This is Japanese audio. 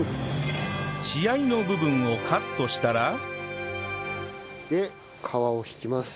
血合いの部分をカットしたらで皮を引きます。